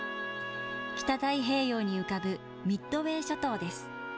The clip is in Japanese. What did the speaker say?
北太平洋に浮かぶミッドウェー諸島です。